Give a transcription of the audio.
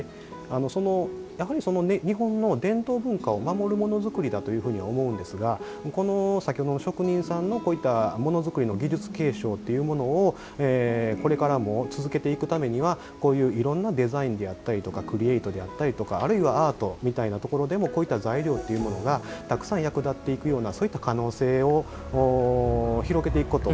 やはり、日本の伝統文化を守るものづくりだというふうに思うんですがこの先ほどの職人さんのものづくりの技術継承っていうものをこれからも続けていくためにはいろんなデザインであったりクリエイトであったりとかあるいは、アートでもこういった材料がたくさん役立っていくようなそういった可能性を広げていくこと。